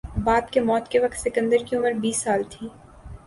باپ کی موت کے وقت سکندر کی عمر بیس سال تھی